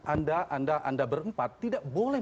anda anda anda berempat tidak boleh